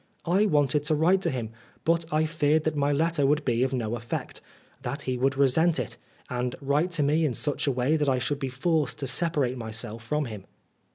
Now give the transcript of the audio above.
I wanted to write to him, but I feared that my letter would be of no effect ; that he would resent it, and write to me in such a way that I should be forced to separate my self from him.